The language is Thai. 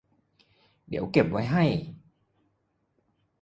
เดี๋ยวเก็บไว้ให้